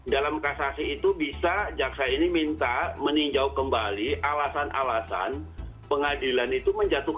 dalam kasasi itu bisa jaksa ini minta meninjau kembali alasan alasan pengadilan itu menjatuhkan